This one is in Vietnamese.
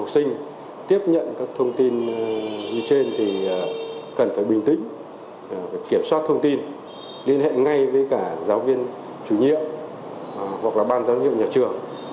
giáo viên chủ nhiệm hoặc là ban giám hiệu nhà trường